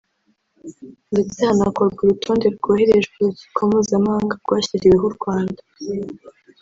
ndetse hanakorwa urutonde rwohererejwe urukiko mpuzamahanga rwashyiriweho u Rwanda